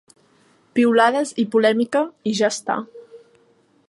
Piulades i polèmica i ja està.